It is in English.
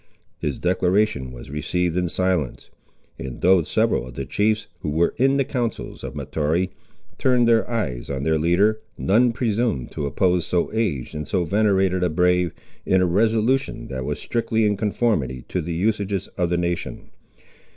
His declaration was received in silence; and though several of the chiefs, who were in the counsels of Mahtoree, turned their eyes on their leader, none presumed to oppose so aged and so venerated a brave, in a resolution that was strictly in conformity to the usages of the nation.